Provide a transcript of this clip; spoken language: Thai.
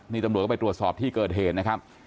นี่ตำรวจก็ไปตรวจสอบที่เกิดเหตุนะครับ